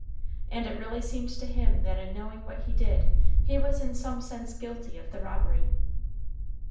And it really seemed to him that in knowing what he did he was in some sense guilty of the robbery.